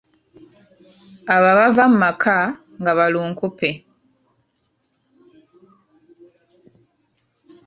Abo abava mu maka aga balunkupe.